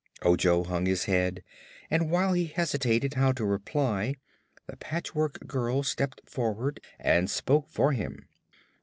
Ojo hung his head and while he hesitated how to reply the Patchwork Girl stepped forward and spoke for him.